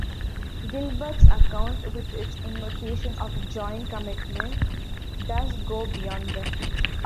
Gilbert's account, with its invocation of joint commitment, does go beyond them.